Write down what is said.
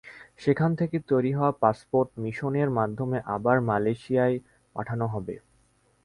সেখান থেকে তৈরি হওয়া পাসপোর্ট মিশনের মাধ্যমে আবার মালয়েশিয়ায় পাঠানো হবে।